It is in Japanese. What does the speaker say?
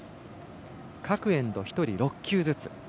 各エンド１人６球ずつ。